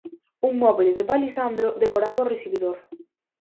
Un moble de palisandro decoraba o recibidor.